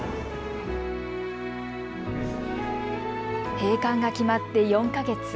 閉館が決まって４か月。